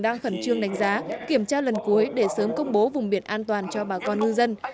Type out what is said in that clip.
đang khẩn trương đánh giá kiểm tra lần cuối để sớm công bố vùng biển an toàn cho bà con ngư dân